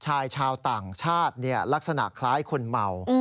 ชายชาวต่างชาติลักษณะคล้ายคนเมา